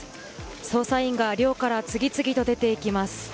捜査員らが寮から次々と出て行きます。